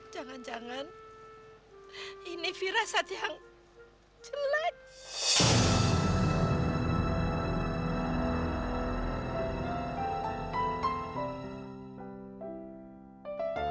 jangan jangan ini firasat yang jelek